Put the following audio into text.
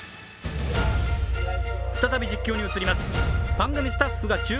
再び実況に映ります。